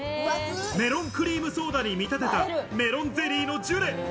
メロンクリームソーダに見立てたメロンゼリーのジュレ。